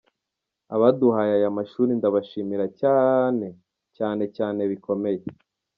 Abaduhaye aya mashuri ndabashimira cyaaaaane cyane cyane cyane bikomeye.